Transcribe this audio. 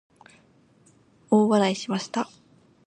大笑いしました。